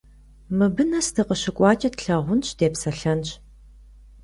Мыбы нэс дыкъыщыкӀуакӀэ тлъагъунщ, депсэлъэнщ.